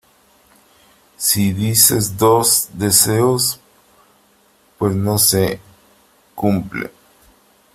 si dices dos deseos , pues no se cumplen .